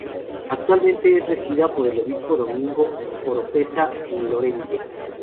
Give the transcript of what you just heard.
Actualmente es regida por el obispo Domingo Oropesa Lorente.